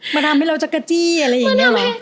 มันทำให้เราจักรจี้อะไรอย่างนี้เหรอ